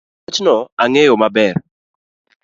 Wachno ang'eyo maler